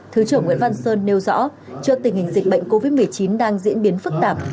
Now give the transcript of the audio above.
thứ trưởng nguyễn văn sơn nêu rõ trước tình hình dịch bệnh covid một mươi chín đang diễn biến phức tạp